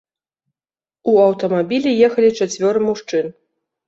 У аўтамабілі ехалі чацвёра мужчын.